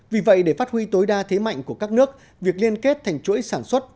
vì vậy để phát huy tối đa thế mạnh của các nước việc liên kết thành chuỗi sản xuất